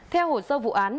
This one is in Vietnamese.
theo hồ sơ vụ án